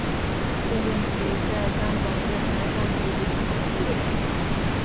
奠定其在香港乐坛上举足轻重的地位。